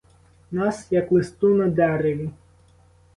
Нас, як листу на дереві.